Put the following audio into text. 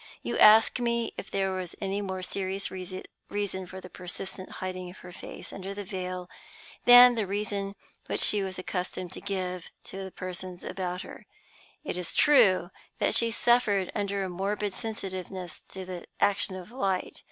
You ask me if there was any more serious reason for the persistent hiding of her face under the veil than the reason which she was accustomed to give to the persons about her. It is true that she suffered under a morbid sensitiveness to the action of light.